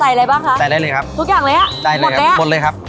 ใส่อะไรบ้างคะใส่ได้เลยครับทุกอย่างเลยอะหมดแล้วหมดเลยครับ